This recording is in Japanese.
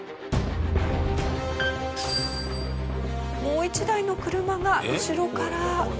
もう１台の車が後ろから。